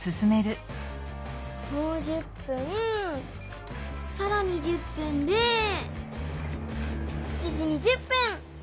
もう１０分さらに１０分で７時２０分！